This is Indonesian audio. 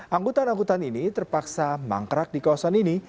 anggutan anggutan ini terpaksa mangkrak di kawasan ini